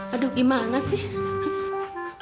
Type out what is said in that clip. aduh gimana sih